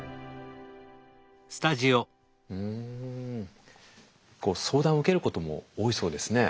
うん相談を受けることも多いそうですね。